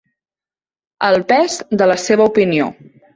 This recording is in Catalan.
El pes de la seva opinió.